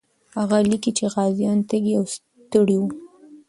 هغه لیکي چې غازیان تږي او ستړي وو.